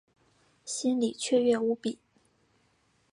心里雀跃无比